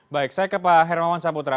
terima kasih pak hermawan saputra